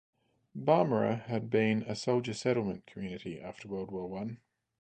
Barmera had been a soldier settlement community after World War One.